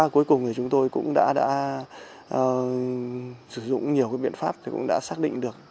cuối cùng thì chúng tôi cũng đã sử dụng nhiều biện pháp thì cũng đã xác định được